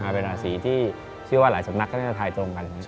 เป็นราศีที่เชื่อว่าหลายสำนักก็น่าจะทายตรงกัน